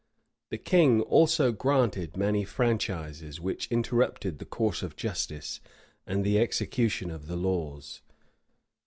The king also granted many franchises, which interrupted the course of justice and the execution of the laws.